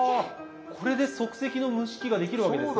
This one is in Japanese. これで即席の蒸し器ができるわけですね。